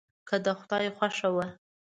که د خدای خوښه وه.